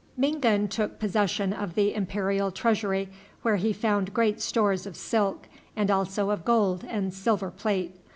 Mingan took possession of the imperial treasury, where he found great stores of silk, and also of gold and silver plate.